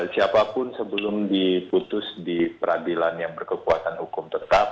siapapun sebelum diputus di peradilan yang berkekuatan hukum tetap